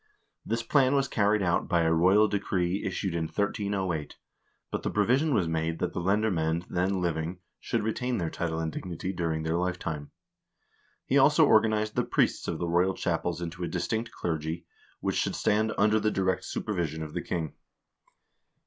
This plan was carried out by a royal decree issued in 1308; but the provision was made that the lemhr moend then living should retain their title and dignity during their lifetime. He also organized the priests of the royal chapels into a distinct clergy, which should stand under the direct supervision of the king.